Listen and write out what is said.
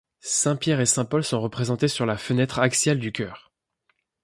Saint Pierre et saint Paul sont représentés sur la fenêtre axiale du chœur.